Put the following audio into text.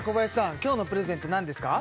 今日のプレゼント何ですか？